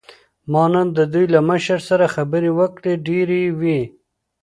ما نن د دوی له مشر سره خبرې وکړې، ډېرې یې وې.